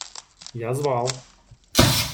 Я звал!